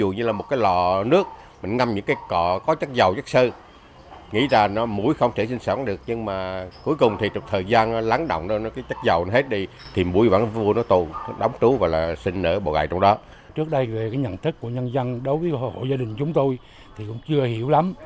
nhân dân đối với hộ gia đình chúng tôi thì cũng chưa hiểu lắm